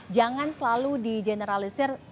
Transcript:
jangan selalu di generalisir